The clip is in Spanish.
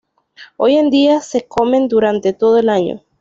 Hoy en día se comen durante todo el año.